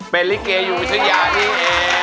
เป็นลิเกยุอยุธยานี่เอง